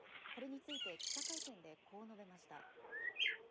これについて、記者会見でこう述べました。